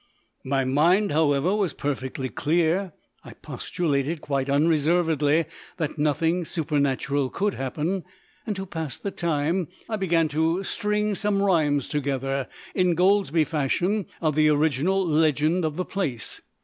My mind, however, was perfectly clear. I postulated quite unreservedly that nothing supernatural could happen, and to pass the time I began to string some rhymes together, Ingoldsby fashion, of the original legend of the place.